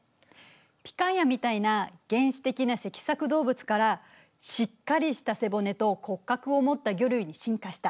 ピカイアみたいな原始的な脊索動物からしっかりした背骨と骨格を持った魚類に進化した。